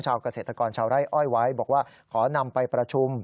เกษตรกรชาวไร่อ้อยไว้บอกว่าขอนำไปประชุม